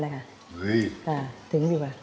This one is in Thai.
เฮ้ยถึงดีกว่า